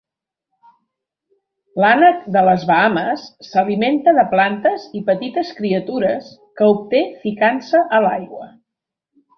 L'ànec de les Bahames s'alimenta de plantes i petites criatures que obté ficant-se a l'aigua.